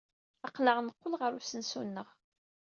Aql-aɣ neqqel ɣer usensu-nneɣ.